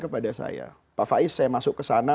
pak faiz saya masuk kesana